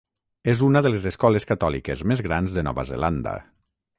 És una de les escoles catòliques més grans de Nova Zelanda.